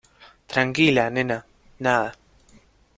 tranquila, nena. nada .